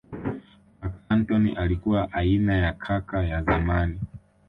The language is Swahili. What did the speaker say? Marc Antony alikuwa aina ya kaka ya zamani